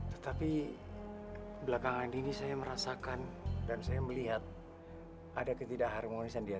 tetapi belakangan ini saya merasakan dan saya melihat ada ketidak harmonis diantara kalian